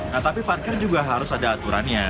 nah tapi parkir juga harus ada aturannya